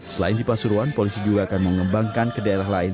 selain di pasuruan polisi juga akan mengembangkan ke daerah lain